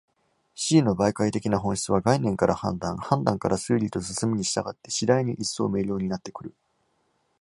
思惟の媒介的な本質は、概念から判断、判断から推理と進むに従って、次第に一層明瞭になってくる。